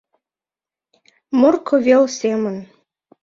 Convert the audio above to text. Морко вел семын